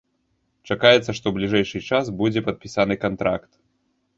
Чакаецца, што ў бліжэйшы час будзе падпісаны кантракт.